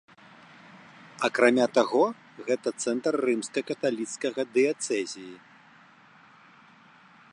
Акрамя таго, гэта цэнтр рымска-каталіцкага дыяцэзіі.